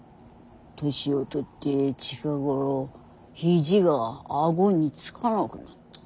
年を取って近頃肘が顎につかなくなった。